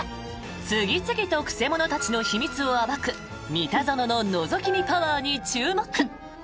次々と曲者たちの秘密を暴く三田園ののぞき見パワーに注目！